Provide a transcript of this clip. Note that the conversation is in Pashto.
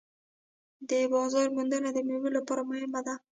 د بازار موندنه د میوو لپاره مهمه ده.